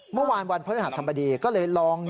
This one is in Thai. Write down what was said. เมื่อวานวันพฤหัสสบดีก็เลยลอง